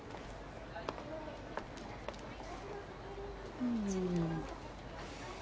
うん。